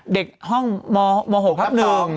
เด็กห้องม๖ครับหนึ่ง